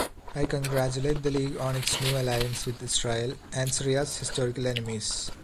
I congratulate the League on its new Alliance with Israel and Syria's historical enemies.